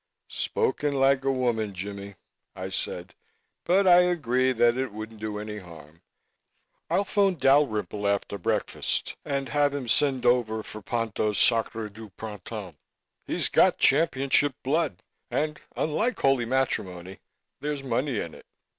"Spoken like a woman, Jimmie," I said, "but I agree that it wouldn't do any harm. I'll phone Dalrymple after breakfast and have him send over for Ponto's Sacre du Printemps. He's got championship blood and, unlike holy matrimony, there's money in it."